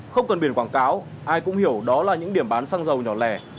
không cần biển quảng cáo ai cũng hiểu đó là những điểm bán xăng dầu nhỏ lẻ